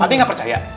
padi gak percaya